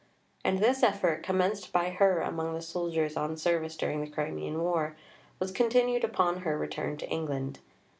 And this effort, commenced by her among the soldiers on service during the Crimean War, was continued upon her return to England.